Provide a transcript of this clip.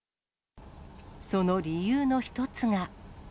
その理由の一つが。